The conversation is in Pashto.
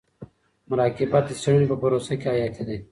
مراقبت د څيړني په پروسه کي حیاتي دی.